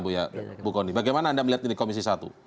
bagaimana anda melihat dari komisi satu